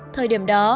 thời điểm đó